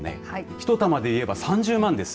１玉で言えば３０万です。